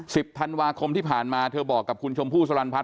ธันวาคมที่ผ่านมาเธอบอกกับคุณชมพู่สลันพัฒ